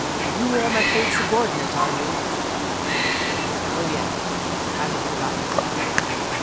you are my paid subordinate, are you? Oh yes, I had forgotten the salary!